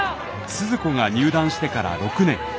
スズ子が入団してから６年。